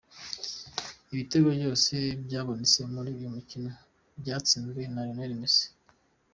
Ibitego byose byabonetse muri uyu mukino byatsinzwe na Lionel Messi